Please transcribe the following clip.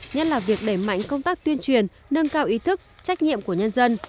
nhất là việc đẩy mạnh công tác tuyên truyền nâng cao ý thức trách nhiệm của nhân dân